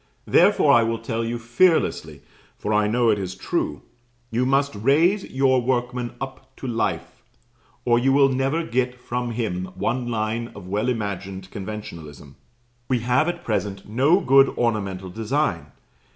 Therefore, I will tell you fearlessly, for I know it is true, you must raise your workman up to life, or you will never get from him one line of well imagined conventionalism. We have at present no good ornamental design.